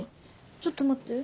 ちょっと待って。